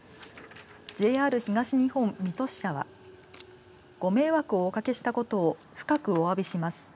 ＪＲ東日本、水戸支社はご迷惑をおかけしたことを深くおわびします